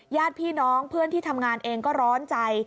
ญาติพี่น้องเพื่อนที่ทำงานเองก็ร้อนใจ